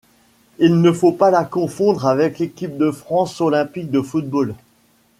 Il ne faut pas la confondre avec l'Équipe de France olympique de football.